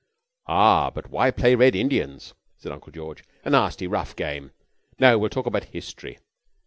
"Ah, but why play Red Indians?" said Uncle George. "A nasty rough game. No, we'll talk about History.